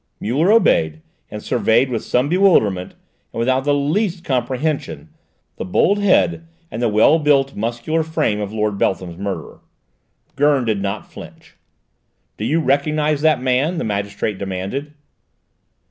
Muller obeyed, and surveyed with some bewilderment, and without the least comprehension, the bold head and the well built, muscular frame of Lord Beltham's murderer. Gurn did not flinch. "Do you recognise that man?" the magistrate demanded.